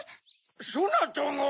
そなたが？